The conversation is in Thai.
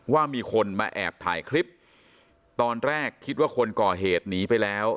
ว่ามีคนมาแอบถ่ายคลิปตอนแรกคิดว่าคนก่อเหตุหนีไปแล้ว